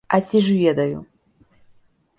А ці ж ведаю?